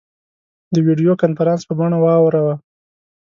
د ویډیو کنفرانس په بڼه واوراوه.